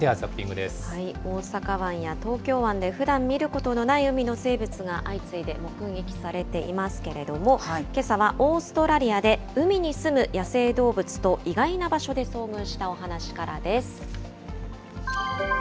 大阪湾や東京湾で、ふだん見ることのない海の生物が、相次いで目撃されていますけれども、けさはオーストラリアで、海に住む野生動物と意外な場所で遭遇したお話からです。